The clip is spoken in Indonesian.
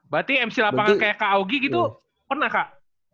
berarti mc lapangan kayak kak aogi gitu pernah kak